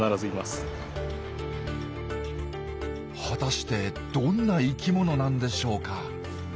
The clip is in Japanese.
果たしてどんな生きものなんでしょうか？